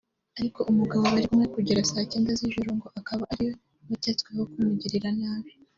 ariko umugabo bari kumwe kugera saa Cyenda z’ijoro ngo akaba ariwe wacyetsweho kumugirira nabi